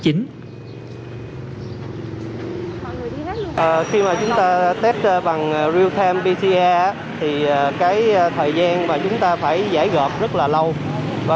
khi mà chúng ta test bằng real time pia thì cái thời gian mà chúng ta phải giải gợp rất là lâu